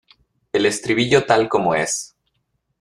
el estribillo tal como es.